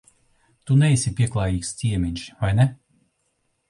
Tu neesi pieklājīgs ciemiņš, vai ne?